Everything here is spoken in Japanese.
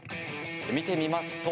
見てみますと。